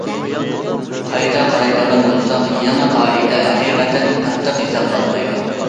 قايتا قارايدىغان بولساق، يېڭى قائىدە ھەقىقەتەن قاتتىق ھېسابلانمايدۇ.